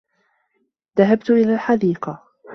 ذهبت إلى الحديقة